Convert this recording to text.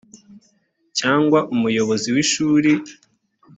cyangwa umuyobozi w ishuri